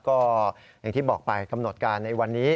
ก็อย่างที่บอกไปกำหนดการในวันนี้